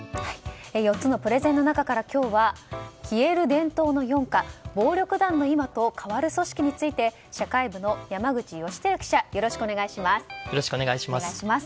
４つのプレゼンの中から今日は消える伝統の４課暴力団の今と変わる組織について社会部の山口祥輝記者お願いします。